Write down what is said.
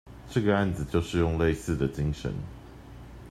這個案子就是用類似的精神